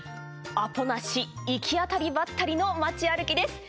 アポなし行き当たりばったりの街歩きです。